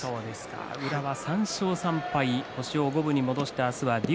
宇良が３勝３敗星を五分に戻しました。